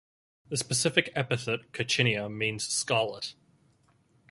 The specific epithet ("coccinea") means "scarlet".